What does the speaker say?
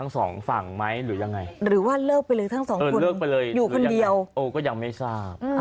ครับผมเหมือนเดิมครับ